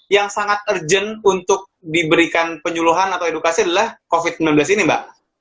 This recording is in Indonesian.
yang sangat urgent untuk diberikan penyuluhan atau edukasi adalah covid sembilan belas ini mbak